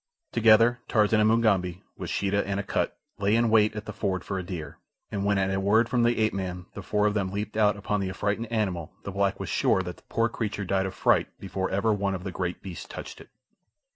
Together Tarzan and Mugambi, with Sheeta and Akut, lay in wait at the ford for a deer, and when at a word from the ape man the four of them leaped out upon the affrighted animal the black was sure that the poor creature died of fright before ever one of the great beasts touched it.